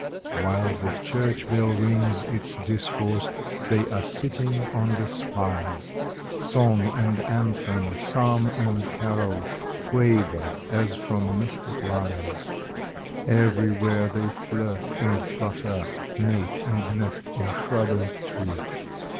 While the church bell rings its discourse They are sitting on the spires; Song and anthem, psalm and carol Quaver as from mystic lyres. Everywhere they flirt and flutter, Mate and nest in shrub and tree.